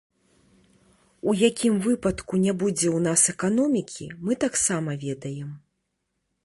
У якім выпадку не будзе ў нас эканомікі, мы таксама ведаем.